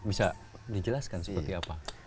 bisa dijelaskan seperti apa